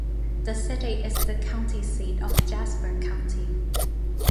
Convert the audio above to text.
The city is the county seat of Jasper County.